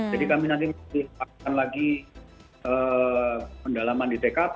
jadi kami nanti akan lagi pendalaman di tkp